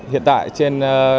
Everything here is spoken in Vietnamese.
hiện tại trên